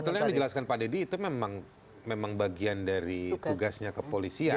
sebetulnya yang dijelaskan pak deddy itu memang bagian dari tugasnya kepolisian